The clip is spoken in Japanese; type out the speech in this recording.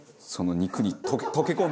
肉に溶け込む？